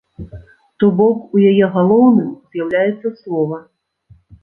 То бок, у яе галоўным з'яўляецца слова.